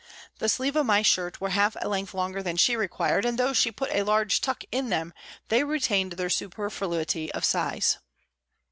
The sleeves of my shirt were half a length longer than she required, and though she put a large tuck in them they retained their superfluity of size.